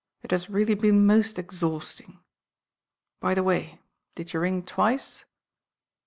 It h« eally been mos exhausting By the way. did you ring iwice?"